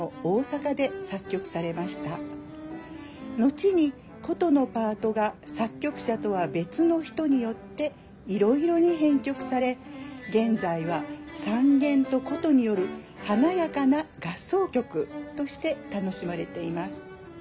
後に箏のパートが作曲者とは別の人によっていろいろに編曲され現在は三絃と箏による華やかな合奏曲として楽しまれています。